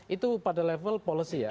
itu pada level policy ya